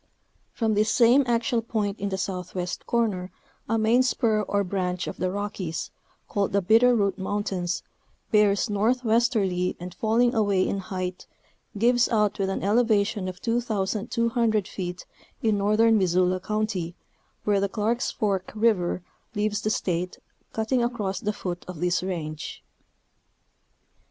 From this same axial point in the southwest corner a main spur or branch of the Rockies, called the Bitter Root Mountains, bears northwesterly and falling away in height, gives out with an eleva tion of 2,200 feet in northern Missoula County where the Clarke's Fork river leaves the State, cutting across the foot of this range.